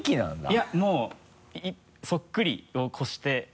いやもうそっくりを超して。